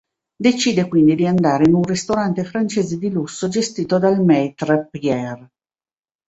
Decide quindi di andare in un ristorante francese di lusso gestito dal maître Pierre.